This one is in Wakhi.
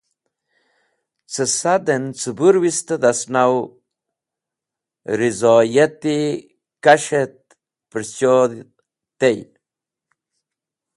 Ce sad en cẽbũrwist-e dhasnaw rizoyat-e kas̃h et pẽrchodh tey.